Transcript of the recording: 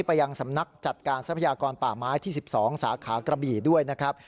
ไปยังสำนักจัดการทรัพยากรป่าไม้ที่๑๒สาขากระบี่ด้วยนะครับ